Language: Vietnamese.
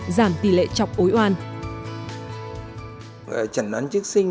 giảm tỷ lệ chọc ối oan